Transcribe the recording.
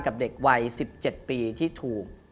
กับเด็กวัย๑๗ปีที่ถูก